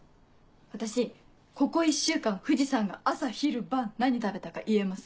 私ここ１週間藤さんが朝昼晩何食べたか言えます。